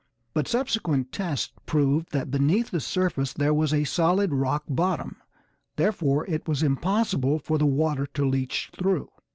But subsequent tests proved that beneath the surface there was a solid rock bottom, therefore it was impossible for the water to leach through.